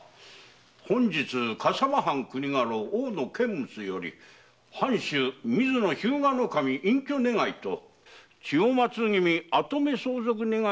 本日笠間藩国家老・大野監物より藩主・水野日向守隠居願いと千代松君跡目相続願いが提出されてございます。